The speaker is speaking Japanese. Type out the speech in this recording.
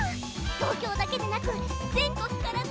東京だけでなく全国から何校も！